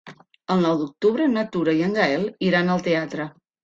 El nou d'octubre na Tura i en Gaël iran al teatre.